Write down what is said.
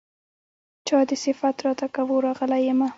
چا دې صفت راته کاوه راغلی يمه